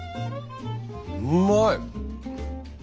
うまい！